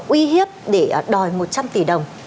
uy hiếp để đòi một trăm linh tỷ đồng